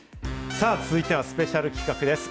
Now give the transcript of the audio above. さあ、続いてはスペシャル企画です。